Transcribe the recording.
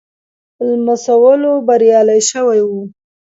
لمسولو بریالی شوی وو.